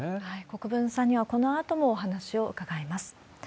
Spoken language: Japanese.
国分さんにはこのあともお話を伺います。